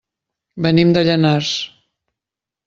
Venim de Llanars.